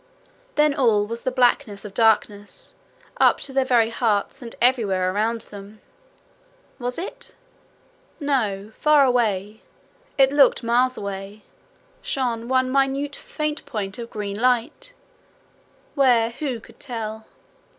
Then all was the blackness of darkness up to their very hearts and everywhere around them. Was it? No. Far away it looked miles away shone one minute faint point of green light where, who could tell?